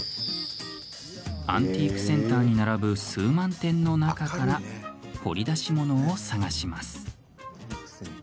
アンティークセンターに並ぶ数万点の中から掘り出し物を探します。